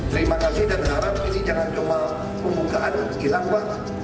terima kasih dan harap ini jangan cuma pembukaan hilang pak